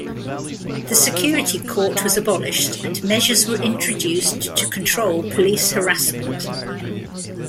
The security court was abolished, and measures were introduced to control police harassment.